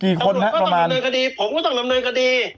กี่คนฮะประมาณตำลวดก็ต้องดำเนินคดีผมก็ต้องดำเนินคดี